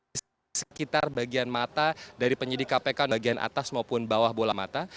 di sekitar bagian mata dari penyidik kpk bagian atas maupun bawah bola mata